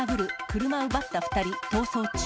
車奪った２人、逃走中。